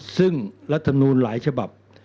ซึ่งรัฐมนูลหลายฉบับ